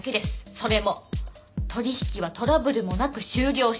それも取引はトラブルもなく終了している。